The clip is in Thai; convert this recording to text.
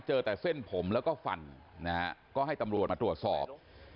เจอแต่เส้นผมแล้วก็ฟันนะฮะก็ให้ตำรวจมาตรวจสอบ